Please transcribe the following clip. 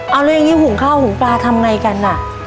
เอาแล้วอย่างนี้หุงข้าวหุงปลาทำไงกันอ่ะ